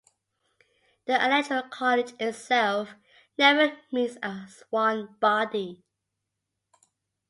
The Electoral College itself never meets as one body.